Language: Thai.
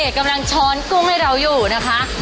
กำลังช้อนกุ้งให้เราอยู่นะคะ